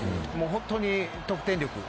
本当に得点力。